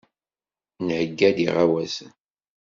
Nheyya-d iɣawasen.